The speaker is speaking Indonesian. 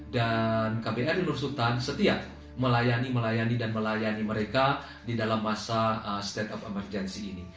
dan kpr lulus sultan setia melayani melayani dan melayani mereka di dalam masa state of emergency ini